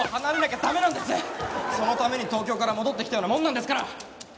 そのために東京から戻ってきたようなもんなんですから。